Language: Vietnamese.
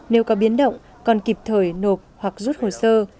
nếu có biến động còn kịp thời nộp hoặc rút hồ sơ